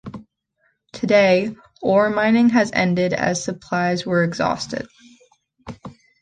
Today, ore mining has ended as supplies were exhausted.